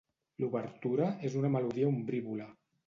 L'obertura és una melodia ombrívola.